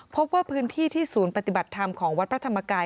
พบว่าพื้นที่ที่ศูนย์ปฏิบัติธรรมของวัดพระธรรมกาย